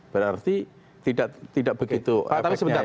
berarti tidak begitu efeknya yang ini